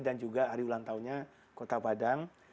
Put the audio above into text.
dan juga hari ulang tahunnya kota padang